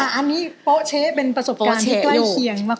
อันนี้โป๊เช๊เป็นประสบการณ์ที่ใกล้เคียงมาก